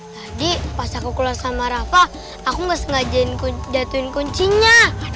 tadi pas aku keluar sama rafa aku sengaja jatuhin kuncinya